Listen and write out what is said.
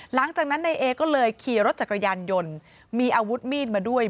หลังจากนั้นนายเอก็เลยขี่รถจักรยานยนต์มีอาวุธมีดมาด้วย